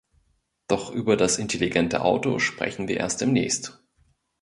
Doch über das intelligente Auto sprechen wir erst demnächst.